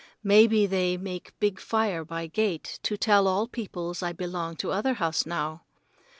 Maybe they make big fire by gate to tell all peoples I belong to other house now.